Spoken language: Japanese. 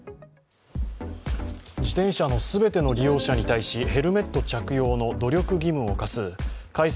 自転車の全ての利用者に対し、ヘルメット着用の努力義務を課す改正